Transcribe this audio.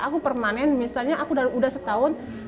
aku permanen misalnya aku udah setahun